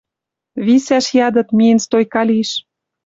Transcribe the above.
Висӓш ядыт, миэн стойка лиш.